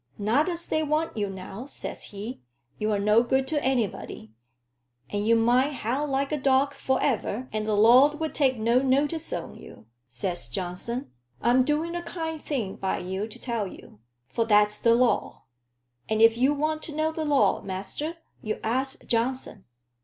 Not as they want you now,' says he 'you're no good to anybody, and you might howl like a dog foriver, and the law 'ud take no notice on you.' Says Johnson, 'I'm doing a kind thing by you to tell you. For that's the law.' And if you want to know the law, master, you ask Johnson.